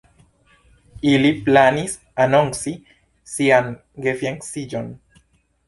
Ili planis anonci sian gefianĉiĝon.